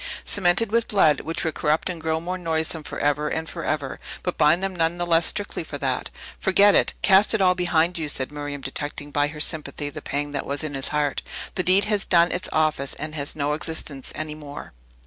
Cemented with blood, which would corrupt and grow more noisome forever and forever, but bind them none the less strictly for that. "Forget it! Cast it all behind you!" said Miriam, detecting, by her sympathy, the pang that was in his heart. "The deed has done its office, and has no existence any more."